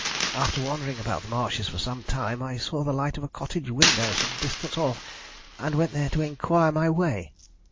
After wandering about the marshes for some time I saw the light of a cottage window some distance off, and went there to inquire my way.